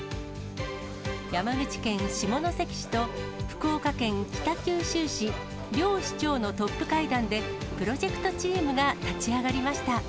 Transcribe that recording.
山口県下関市と福岡県北九州市、両市長のトップ会談で、プロジェクトチームが立ち上がりました。